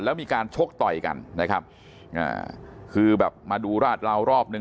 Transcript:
แล้วมีการชกต่อยกันนะครับอ่าคือแบบมาดูราดราวรอบนึง